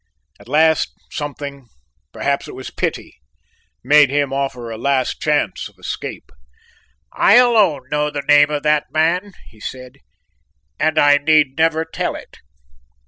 At last something, perhaps it was pity, made him offer a last chance of escape. "I alone know the name of that man," he said; "and I need never tell it."